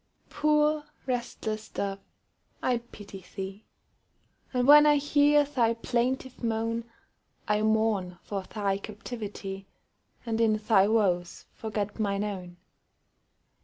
Poor restless dove, I pity thee; And when I hear thy plaintive moan, I mourn for thy captivity, And in thy woes forget mine own.